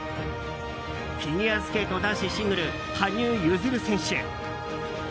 フィギュアスケート男子シングル羽生結弦選手。